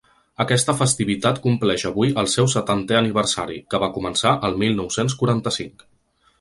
Aquesta festivitat compleix avui el seu setantè aniversari, que va començar el mil nou-cents quaranta-cinc.